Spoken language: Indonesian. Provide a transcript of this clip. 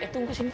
eh tunggu sini